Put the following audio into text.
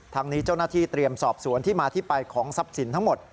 ทางนี้เจ้าหน้าที่เตรียมสอบสวนที่มาที่ไปของทรัพย์สินทั้งหมด